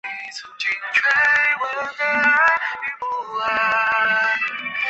淡红美登木为卫矛科美登木属下的一个种。